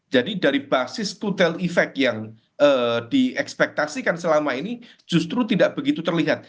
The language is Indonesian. jadi dari basis kutel efek yang diekspektasikan selama ini justru tidak begitu terlihat